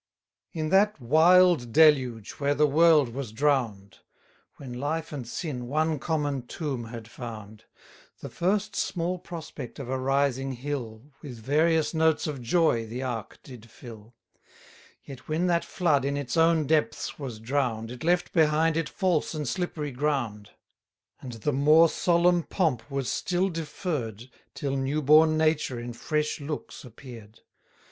In that wild deluge where the world was drown'd, When life and sin one common tomb had found, The first small prospect of a rising hill With various notes of joy the ark did fill: Yet when that flood in its own depths was drown'd, It left behind it false and slippery ground; And the more solemn pomp was still deferr'd, Till new born nature in fresh looks appear'd.